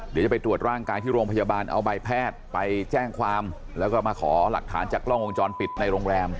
เดี๋ยวจะไปตรวจร่างกายที่โรงพยาบาลเอาใบแพทย์ไปแจ้งความแล้วก็มาขอหลักฐานจากกล้องวงจรปิดในโรงแรม